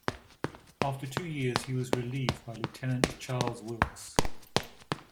After two years he was relieved by Lieutenant Charles Wilkes.